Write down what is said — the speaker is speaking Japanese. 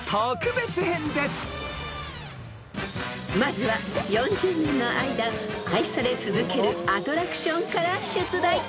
［まずは４０年の間愛され続けるアトラクションから出題］